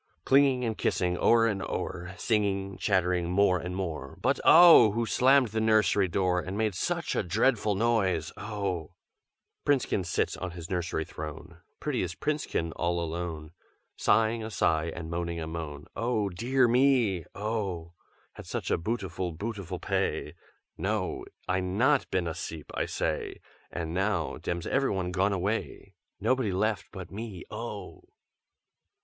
Clinging and kissing o'er and o'er, Singing, chattering, more and more, But oh! who slammed the nursery door, And made such a dreadful noise, oh! "Princekin sits on his nursery throne, Prettiest Princekin, all alone. Sighing a sigh and moaning a moan, 'Oh dear me, oh! Had such a bootiful, bootiful p'ay! No! I not been as'eep, I say! And now dem's everyone gone away, Nobody left but me, oh!'"